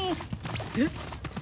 えっ！？